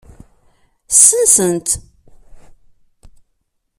Sensen-tt.